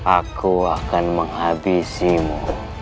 aku akan menghabisimu